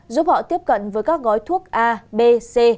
giúp họ tiếp cận với các gói thuốc a b c